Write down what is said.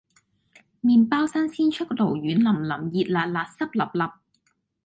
麵包新鮮出爐軟腍腍熱辣辣濕 𣲷𣲷